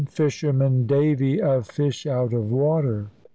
FISHERMAN DAVY A FISH OUT OF WATER.